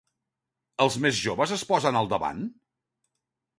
Els més joves es posen al davant?